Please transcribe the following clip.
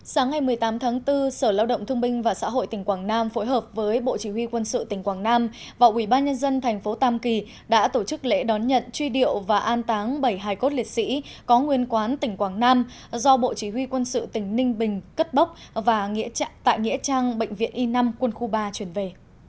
sáng ngày một mươi tám tháng bốn sở lao động thương minh và xã hội tỉnh quảng nam phối hợp với bộ chỉ huy quân sự tỉnh quảng nam và ubnd tp tam kỳ đã tổ chức lễ đón nhận truy điệu và an táng bảy hải cốt liệt sĩ có nguyên quán tỉnh quảng nam do bộ chỉ huy quân sự tỉnh ninh bình cất bốc và tại nghĩa trang bệnh viện y năm quân khu ba chuyển về